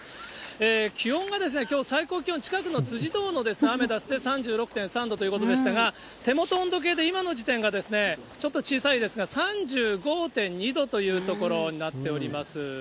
気温がきょう、最高気温、辻堂のアメダスで３６．３度ということでしたが、手元温度計で今の時点が、ちょっと小さいですが３５．２度というところになっております。